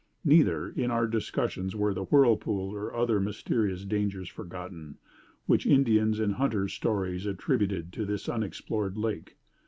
Neither, in our discussions were the whirlpool and other mysterious dangers forgotten, which Indian and hunters' stories attributed to this unexplored lake.